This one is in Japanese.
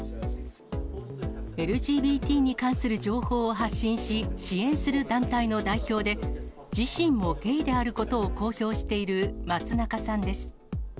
ＬＧＢＴに関する情報を発信し、支援する団体の代表で、自身もゲイであることを公表している松中さんです。